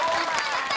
やった！